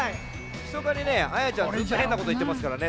ひそかにねあやちゃんへんなこといってますからね